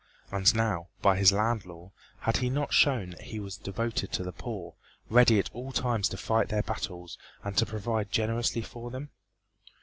And now, by his land law, had he not shown that he was devoted to the poor, ready at all times to fight their battles and to provide generously for them?